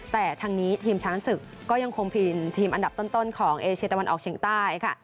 แต่ทางนี้ทีมช้างศึกก็ยังคงพินทีมอันดับต้นของเอเชียตะวันออกเฉียงใต้ค่ะ